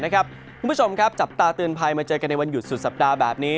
นะครับคุณผู้ชมครับจับตาตื่นไพรมาเจอกันในวันหยุดที่สัปดาห์แบบนี้